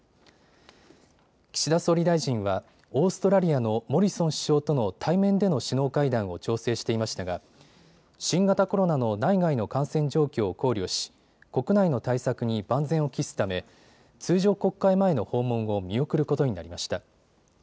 岸田総理大臣はオーストラリアのモリソン首相との対面での首脳会談を調整していましたが新型コロナの内外の感染状況を考慮し国内の対策に万全を期すため通常国会前の訪問を見送ることになりました。